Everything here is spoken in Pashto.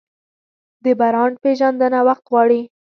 د برانډ پیژندنه وخت غواړي.